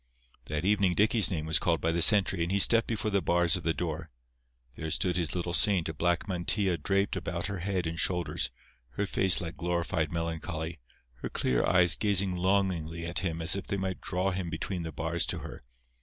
That evening Dicky's name was called by the sentry, and he stepped before the bars of the door. There stood his little saint, a black mantilla draped about her head and shoulders, her face like glorified melancholy, her clear eyes gazing longingly at him as if they might draw him between the bars to her.